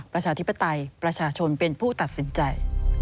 ประชาธิปไตยประชาชนเป็นผู้ตัดสินใจ